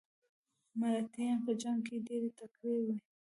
مراتیان په جنګ کې ډیر تکړه وو.